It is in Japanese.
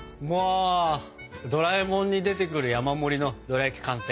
ドラえもんに出てくる山盛りのドラやき完成。